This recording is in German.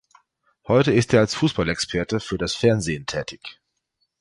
Heute ist er als Fußballexperte für das Fernsehen tätig.